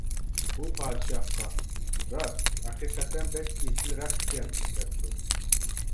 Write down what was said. ئۇ پادىشاھقا: راست، ھەقىقەتەن بەك ئېسىل رەخت ئىكەن، دەپتۇ.